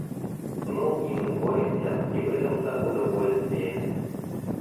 Ну, и мы боремся, и в этом-то удовольствие.